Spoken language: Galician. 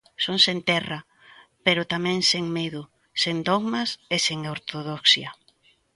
Son sen terra, pero tamén sen medo, sen dogmas e sen ortodoxia.